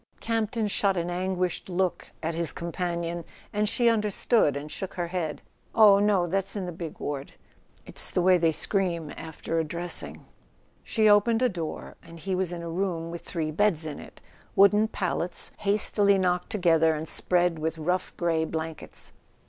Campton shot an anguished look at his companion, and she understood and shook her head. "Oh, no: that's in the big ward. It's the way they scream after a dressing..." She opened a door, and he was in a room with three beds in it, wooden pallets hastily knocked together and spread with rough grey blankets.